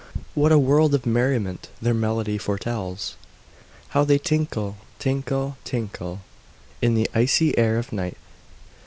What a world of merriment their melody foretells! How they tinkle, tinkle, tinkle, In the icy air of night!